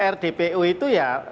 rdpu itu ya